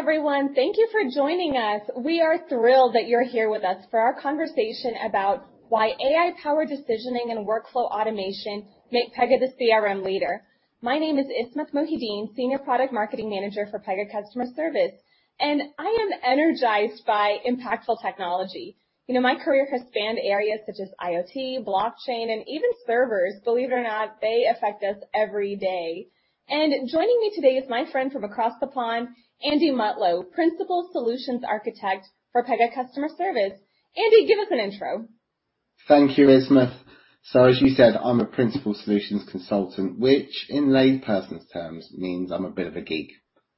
Hello, everyone. Thank you for joining us. We are thrilled that you're here with us for our conversation about why AI-powered decisioning and workflow automation make Pega the CRM leader. My name is Ismath Mohideen, Senior Product Marketing Manager for Pega Customer Service, and I am energized by impactful technology. You know, my career has spanned areas such as IoT, blockchain, and even servers. Believe it or not, they affect us every day. Joining me today is my friend from across the pond, Andy Mutlow, Principal Solutions Architect for Pega Customer Service. Andy, give us an intro. Thank you, Ismath. As you said, I'm a principal solutions consultant, which in layperson's terms means I'm a bit of a geek.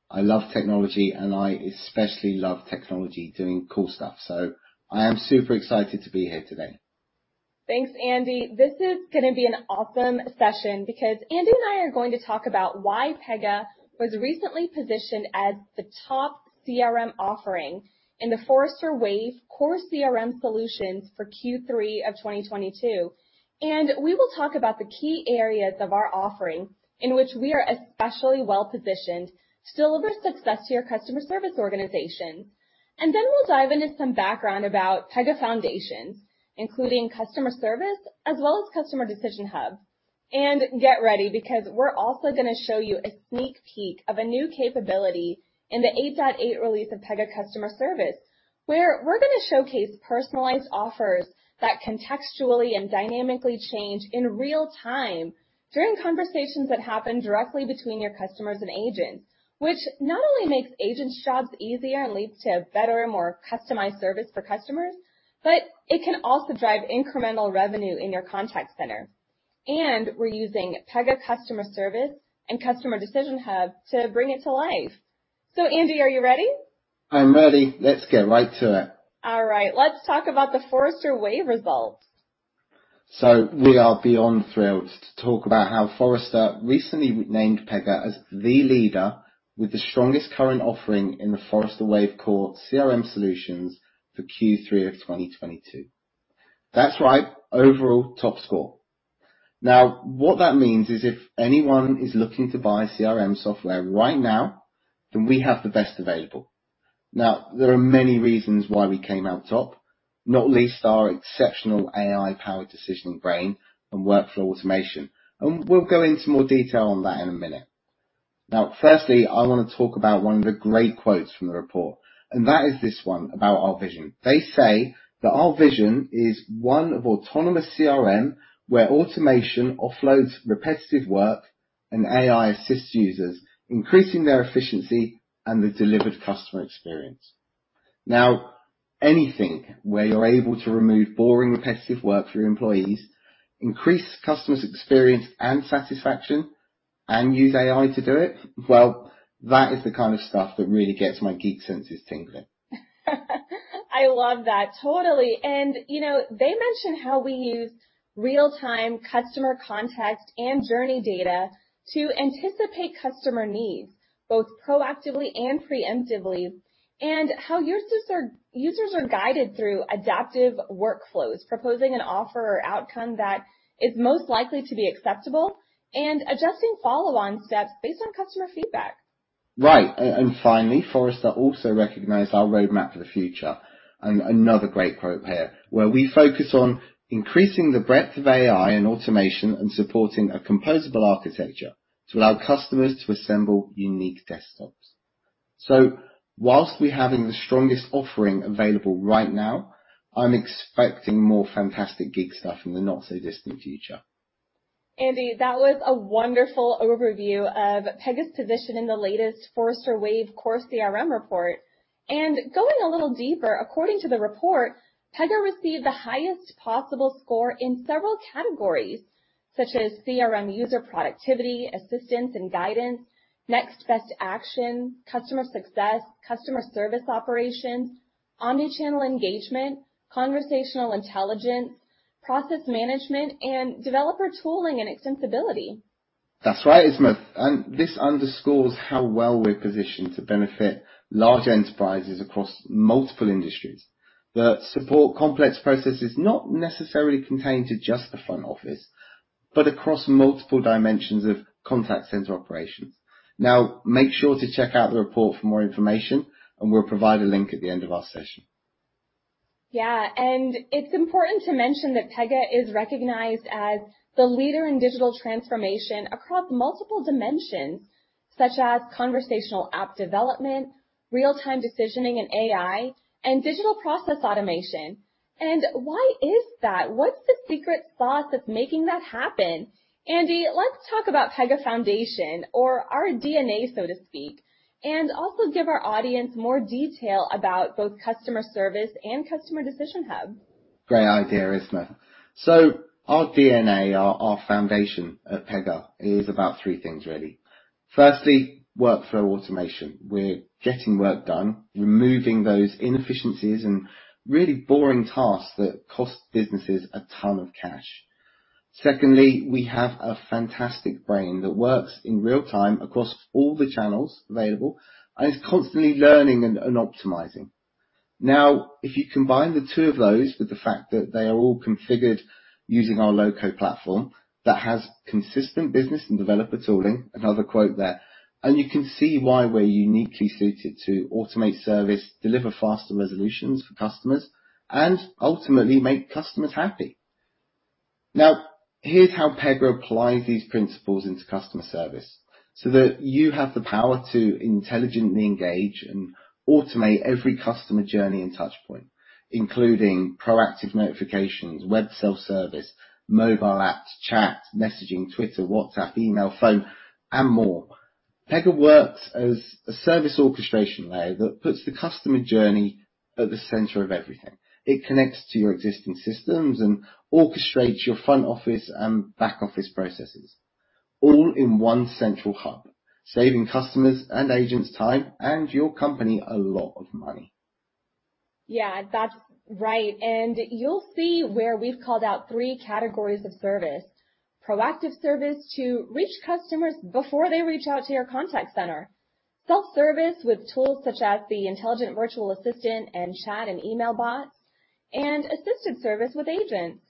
I love technology, and I especially love technology doing cool stuff. I am super excited to be here today. Thanks, Andy. This is gonna be an awesome session because Andy and I are going to talk about why Pega was recently positioned as the top CRM offering in the Forrester Wave: Core CRM Solutions for Q3 2022. We will talk about the key areas of our offering in which we are especially well-positioned to deliver success to your customer service organization. Then we'll dive into some background about Pega Foundations, including customer service as well as Customer Decision Hub. Get ready, because we're also gonna show you a sneak peek of a new capability in the 8.8 release of Pega Customer Service, where we're gonna showcase personalized offers that contextually and dynamically change in real-time during conversations that happen directly between your customers and agents. Which not only makes agents' jobs easier and leads to better and more customized service for customers, but it can also drive incremental revenue in your contact center. We're using Pega Customer Service and Customer Decision Hub to bring it to life. Andy, are you ready? I'm ready. Let's get right to it. All right, let's talk about the Forrester Wave results. We are beyond thrilled to talk about how Forrester recently named Pega as the leader with the strongest current offering in the Forrester Wave: Core CRM Solutions for Q3 of 2022. That's right, overall top score. Now, what that means is if anyone is looking to buy CRM software right now, then we have the best available. Now, there are many reasons why we came out top, not least our exceptional AI powered decisioning brain and workflow automation. We'll go into more detail on that in a minute. Now, firstly, I want to talk about one of the great quotes from the report, and that is this one about our vision. They say that, "Our vision is one of autonomous CRM, where automation offloads repetitive work and AI assists users, increasing their efficiency and the delivered customer experience." Now, anything where you're able to remove boring, repetitive work for your employees, increase customers' experience and satisfaction, and use AI to do it, well, that is the kind of stuff that really gets my geek senses tingling. I love that. Totally. You know, they mention how we use real-time customer context and journey data to anticipate customer needs, both proactively and preemptively, and how your users are guided through adaptive workflows, proposing an offer or outcome that is most likely to be acceptable, and adjusting follow-on steps based on customer feedback. Right. Finally, Forrester also recognized our roadmap for the future. Another great quote here, where, "We focus on increasing the breadth of AI and automation and supporting a composable architecture to allow customers to assemble unique desktops." While we're having the strongest offering available right now, I'm expecting more fantastic geek stuff in the not-so-distant future. Andy, that was a wonderful overview of Pega's position in the latest Forrester Wave Core CRM report. Going a little deeper, according to the report, Pega received the highest possible score in several categories, such as CRM user productivity, assistance and guidance, Next-Best-Action, customer success, customer service operations, omnichannel engagement, conversational intelligence, process management, and developer tooling and extensibility. That's right, Ismath. This underscores how well we're positioned to benefit large enterprises across multiple industries that support complex processes, not necessarily contained to just the front office, but across multiple dimensions of contact center operations. Now, make sure to check out the report for more information, and we'll provide a link at the end of our session. Yeah. It's important to mention that Pega is recognized as the leader in digital transformation across multiple dimensions, such as conversational app development, real-time decisioning and AI, and digital process automation. Why is that? What's the secret sauce that's making that happen? Andy, let's talk about Pega Foundation or our DNA, so to speak, and also give our audience more detail about both customer service and Customer Decision Hub. Great idea, Ismath. Our DNA, our foundation at Pega is about three things, really. Firstly, workflow automation. We're getting work done, removing those inefficiencies and really boring tasks that cost businesses a ton of cash. Secondly, we have a fantastic brain that works in real time across all the channels available and is constantly learning and optimizing. Now, if you combine the two of those with the fact that they are all configured using our low-code platform that has consistent business and developer tooling, another quote there, and you can see why we're uniquely suited to automate service, deliver faster resolutions for customers, and ultimately make customers happy. Now, here's how Pega applies these principles into customer service so that you have the power to intelligently engage and automate every customer journey and touch point, including proactive notifications, web self-service, mobile apps, chat, messaging, Twitter, WhatsApp, email, phone, and more. Pega works as a service orchestration layer that puts the customer journey at the center of everything. It connects to your existing systems and orchestrates your front office and back-office processes all in one central hub, saving customers and agents time and your company a lot of money. Yeah, that's right. You'll see where we've called out three categories of service. Proactive service to reach customers before they reach out to your contact center. Self-service with tools such as the intelligent virtual assistant and chat and email bot, and assisted service with agents.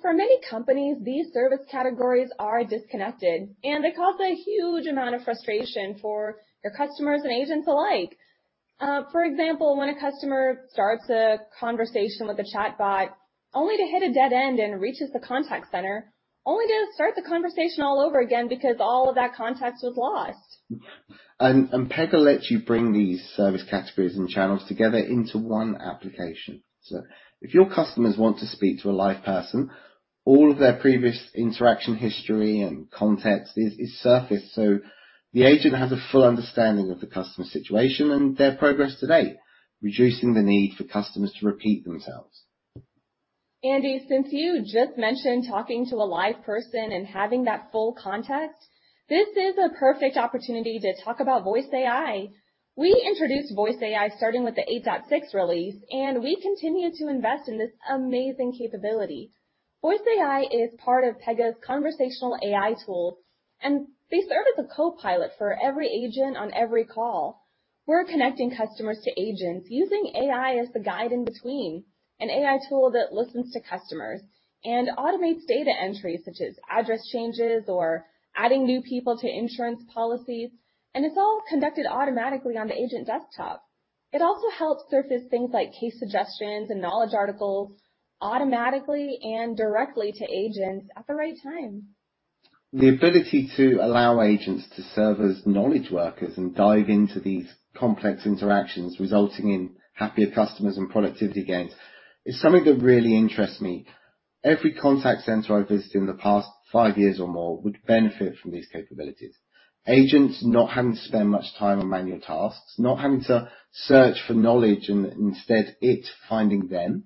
For many companies, these service categories are disconnected, and they cause a huge amount of frustration for your customers and agents alike. For example, when a customer starts a conversation with a chatbot, only to hit a dead end and reaches the contact center, only to start the conversation all over again because all of that context was lost. Pega lets you bring these service categories and channels together into one application. If your customers want to speak to a live person, all of their previous interaction history and context is surfaced. The agent has a full understanding of the customer's situation and their progress to date, reducing the need for customers to repeat themselves. Andy, since you just mentioned talking to a live person and having that full context, this is a perfect opportunity to talk about Voice AI. We introduced Voice AI starting with the 8.6 release, and we continue to invest in this amazing capability. Voice AI is part of Pega's conversational AI tool, and they serve as a co-pilot for every agent on every call. We're connecting customers to agents using AI as the guide in between. An AI tool that listens to customers and automates data entries such as address changes or adding new people to insurance policies. It's all conducted automatically on the agent desktop. It also helps surface things like case suggestions and knowledge articles automatically and directly to agents at the right time. The ability to allow agents to serve as knowledge workers and dive into these complex interactions resulting in happier customers and productivity gains is something that really interests me. Every contact center I've visited in the past five years or more would benefit from these capabilities. Agents not having to spend much time on manual tasks, not having to search for knowledge and instead it finding them.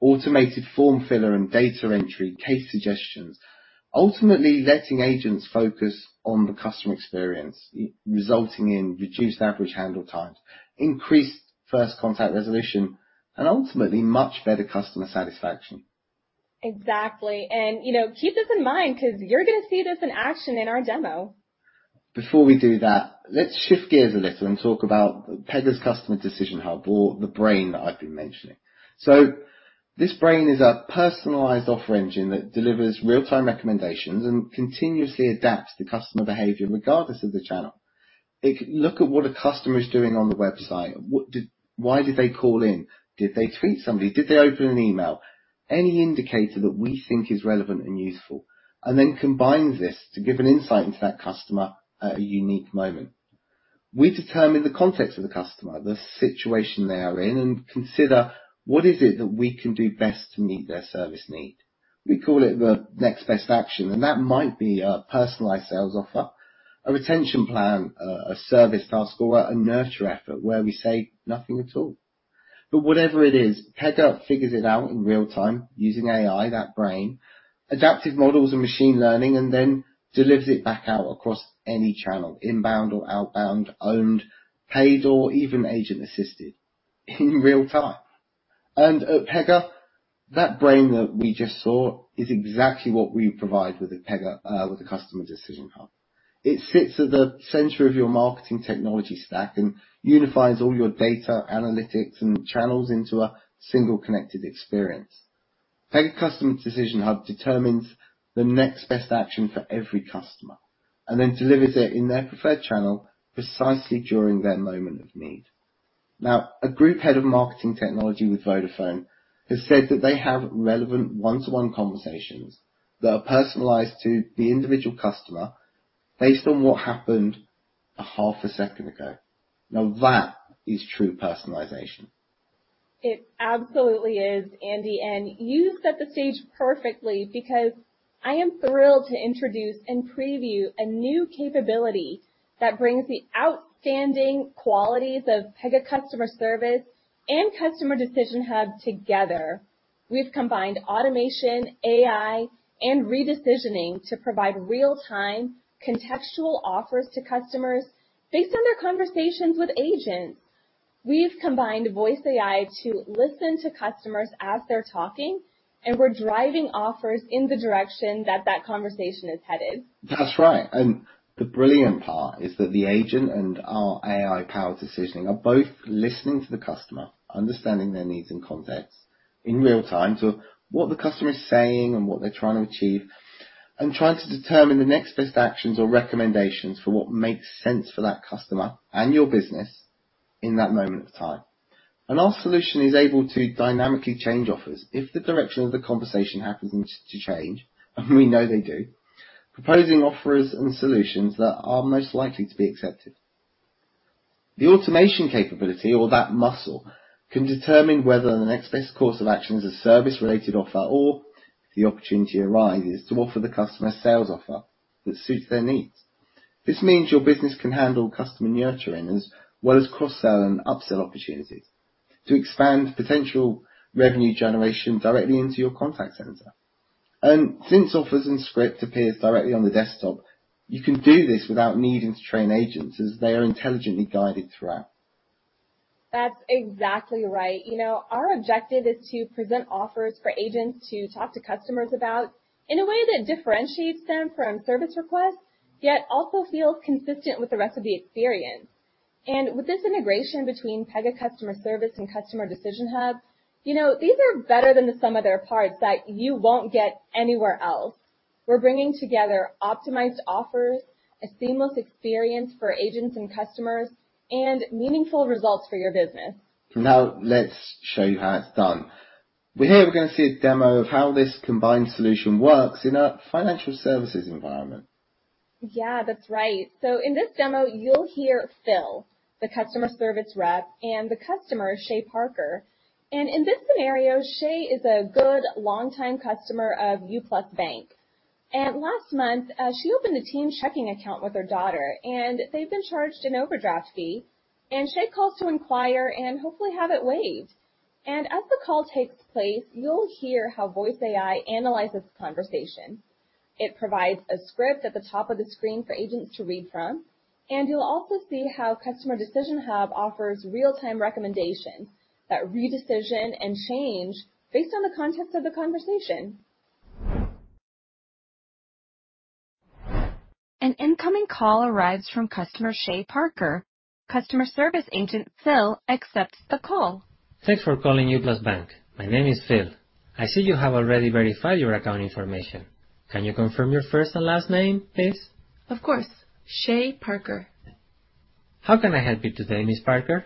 Automated form filler and data entry, case suggestions. Ultimately letting agents focus on the customer experience, resulting in reduced average handle time, increased first contact resolution, and ultimately much better customer satisfaction. Exactly. You know, keep this in mind because you're gonna see this in action in our demo. Before we do that, let's shift gears a little and talk about Pega's Customer Decision Hub or the brain that I've been mentioning. This brain is a personalized offer engine that delivers real-time recommendations and continuously adapts to customer behavior regardless of the channel. It can look at what a customer is doing on the website. Why did they call in? Did they tweet somebody? Did they open an email? Any indicator that we think is relevant and useful, and then combines this to give an insight into that customer at a unique moment. We determine the context of the customer, the situation they are in, and consider what is it that we can do best to meet their service need. We call it the Next-Best-Action, and that might be a personalized sales offer, a retention plan, a service task, or a nurture effort where we say nothing at all. Whatever it is, Pega figures it out in real-time using AI, that brain, adaptive models and machine learning, and then delivers it back out across any channel, inbound or outbound, owned, paid, or even agent-assisted in real-time. At Pega, that brain that we just saw is exactly what we provide with the Pega Customer Decision Hub. It sits at the center of your marketing technology stack and unifies all your data, analytics, and channels into a single connected experience. Pega Customer Decision Hub determines the Next-Best-Action for every customer and then delivers it in their preferred channel precisely during their moment of need. Now, a group head of marketing technology with Vodafone has said that they have relevant one-to-one conversations that are personalized to the individual customer based on what happened a half a second ago. Now, that is true personalization. It absolutely is, Andy, and you set the stage perfectly because I am thrilled to introduce and preview a new capability that brings the outstanding qualities of Pega Customer Service and Customer Decision Hub together. We've combined automation, AI, and re-decisioning to provide real-time contextual offers to customers based on their conversations with agents. We've combined voice AI to listen to customers as they're talking, and we're driving offers in the direction that conversation is headed. That's right. The brilliant part is that the agent and our AI-powered decisioning are both listening to the customer, understanding their needs and context in real time. What the customer is saying and what they're trying to achieve, and trying to determine the next best actions or recommendations for what makes sense for that customer and your business in that moment of time. Our solution is able to dynamically change offers if the direction of the conversation happens to change, and we know they do, proposing offers and solutions that are most likely to be accepted. The automation capability or that muscle can determine whether the next best course of action is a service-related offer, or if the opportunity arises, to offer the customer a sales offer that suits their needs. This means your business can handle customer nurturing as well as cross-sell and upsell opportunities to expand potential revenue generation directly into your contact center. Since offers and script appears directly on the desktop, you can do this without needing to train agents as they are intelligently guided throughout. That's exactly right. You know, our objective is to present offers for agents to talk to customers about in a way that differentiates them from service requests, yet also feels consistent with the rest of the experience. With this integration between Pega Customer Service and Customer Decision Hub, you know, these are better than the sum of their parts that you won't get anywhere else. We're bringing together optimized offers, a seamless experience for agents and customers, and meaningful results for your business. Now let's show you how it's done. Here, we're gonna see a demo of how this combined solution works in a financial services environment. Yeah, that's right. In this demo, you'll hear Phil, the customer service rep, and the customer, Shay Parker. In this scenario, Shay is a good longtime customer of U+ Bank. Last month, she opened a teen checking account with her daughter, and they've been charged an overdraft fee. Shay calls to inquire and hopefully have it waived. As the call takes place, you'll hear how Voice AI analyzes conversation. It provides a script at the top of the screen for agents to read from. You'll also see how Customer Decision Hub offers real-time recommendations that re-decision and change based on the context of the conversation. An incoming call arrives from customer, Shay Parker. Customer Service Agent, Phil, accepts the call. Thanks for calling U+ Bank. My name is Phil. I see you have already verified your account information. Can you confirm your first and last name, please? Of course. Shay Parker. How can I help you today, Miss Parker?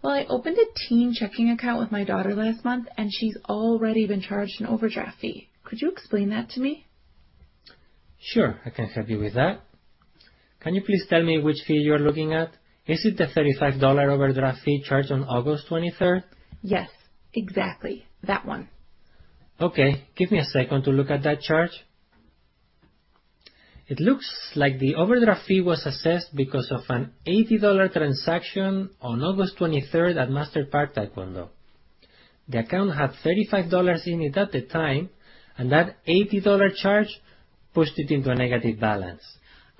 Well, I opened a teen checking account with my daughter last month, and she's already been charged an overdraft fee. Could you explain that to me? Sure, I can help you with that. Can you please tell me which fee you are looking at? Is it the $35 overdraft fee charged on August twenty-third? Yes, exactly that one. Okay, give me a second to look at that charge. It looks like the overdraft fee was assessed because of an $80 transaction on August 23rd at Master Park Taekwondo. The account had $35 in it at the time, and that $80 charge pushed it into a negative balance.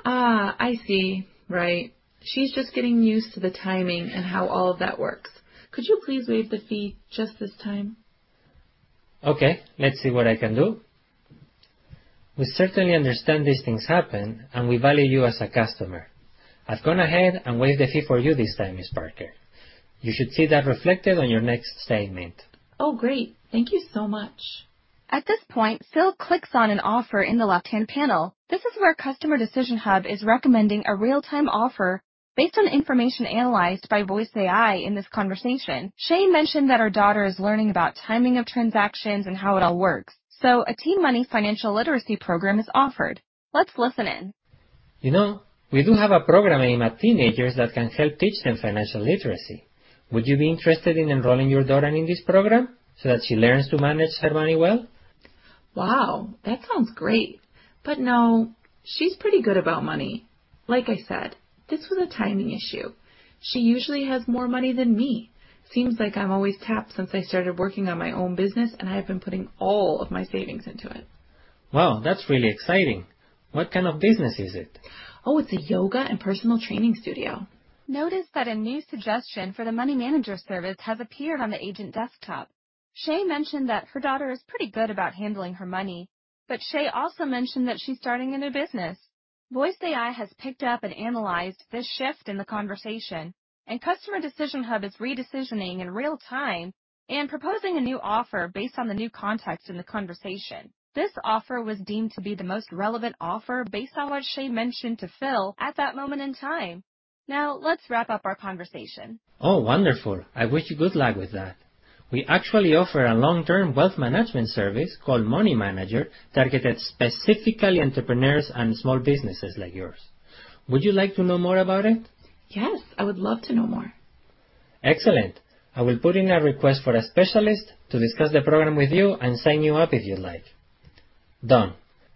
I see. Right. She's just getting used to the timing and how all of that works. Could you please waive the fee just this time? Okay, let's see what I can do. We certainly understand these things happen, and we value you as a customer. I've gone ahead and waived the fee for you this time, Miss Parker. You should see that reflected on your next statement. Oh, great. Thank you so much. At this point, Phil clicks on an offer in the left-hand panel. This is where Customer Decision Hub is recommending a real-time offer based on information analyzed by Voice AI in this conversation. Shay mentioned that her daughter is learning about timing of transactions and how it all works. A Teen Money Financial Literacy Program is offered. Let's listen in. You know, we do have a program aimed at teenagers that can help teach them financial literacy. Would you be interested in enrolling your daughter in this program so that she learns to manage her money well? Wow, that sounds great. No, she's pretty good about money. Like I said, this was a timing issue. She usually has more money than me. Seems like I'm always tapped since I started working on my own business, and I have been putting all of my savings into it. Wow, that's really exciting. What kind of business is it? Oh, it's a yoga and personal training studio. Notice that a new suggestion for the Money Manager service has appeared on the agent desktop. Shay mentioned that her daughter is pretty good about handling her money, but Shay also mentioned that she's starting a new business. Pega Voice AI has picked up and analyzed this shift in the conversation, and Pega Customer Decision Hub is re-decisioning in real time and proposing a new offer based on the new context in the conversation. This offer was deemed to be the most relevant offer based on what Shay mentioned to Phil at that moment in time. Now, let's wrap up our conversation. Oh, wonderful. I wish you good luck with that. We actually offer a long-term wealth management service called Money Manager, targeted specifically entrepreneurs and small businesses like yours. Would you like to know more about it? Yes, I would love to know more. Excellent. I will put in a request for a specialist to discuss the program with you and sign you up if you'd like. Done.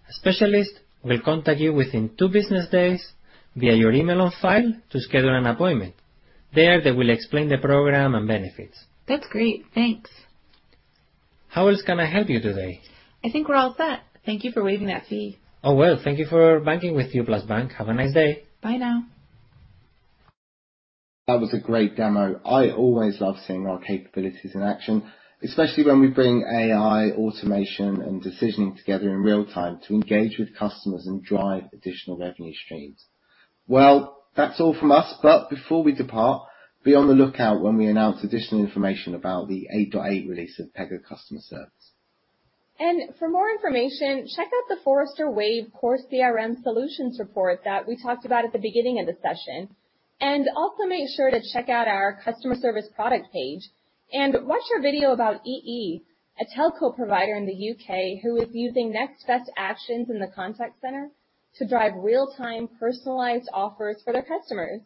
A specialist will contact you within two business days via your email on file to schedule an appointment. There, they will explain the program and benefits. That's great. Thanks. How else can I help you today? I think we're all set. Thank you for waiving that fee. Oh, well, thank you for banking with U+ Bank. Have a nice day. Bye now. That was a great demo. I always love seeing our capabilities in action, especially when we bring AI, automation, and decisioning together in real time to engage with customers and drive additional revenue streams. Well, that's all from us. Before we depart, be on the lookout when we announce additional information about the 8.8 release of Pega Customer Service. For more information, check out the Forrester Wave: Core CRM Solutions Report that we talked about at the beginning of the session, and also make sure to check out our Customer Service product page and watch our video about EE, a telco provider in the U.K., who is using next-best actions in the contact center to drive real-time personalized offers for their customers.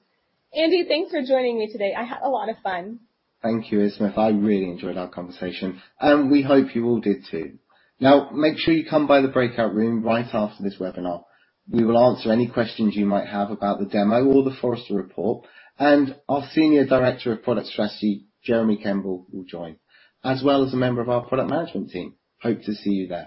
Andy, thanks for joining me today. I had a lot of fun. Thank you, Ismath. I really enjoyed our conversation, and we hope you all did too. Now, make sure you come by the breakout room right after this webinar. We will answer any questions you might have about the demo or the Forrester report, and our Senior Director of Product Strategy, Jeremy Kembel, will join, as well as a member of our product management team. Hope to see you there.